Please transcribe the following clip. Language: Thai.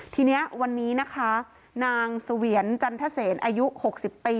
ทีนี้วันนี้นะคะนางเสวียนจันทเซนอายุ๖๐ปี